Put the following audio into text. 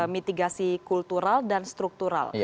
mitigasi kultural dan struktural